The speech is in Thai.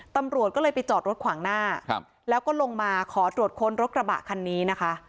ตำรวจก็เลยไปจอดรถขวางหน้าแล้วก็ลงมาขอตรวจค้นรถกระบะคันนี้นะคะ